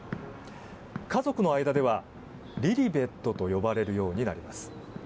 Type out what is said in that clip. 家族の間ではリリベットと呼ばれるようになります。